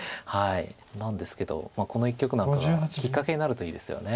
なんですけどこの一局なんかがきっかけになるといいですよね。